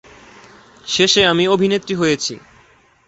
শেষে আমি অভিনেত্রী হয়েছি।